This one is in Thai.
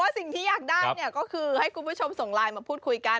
สิ่งที่อยากได้ก็คือให้คุณผู้ชมส่งไลน์มาพูดคุยกัน